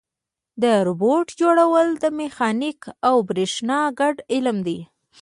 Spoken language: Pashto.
د روبوټ جوړول د میخانیک او برېښنا ګډ علم دی.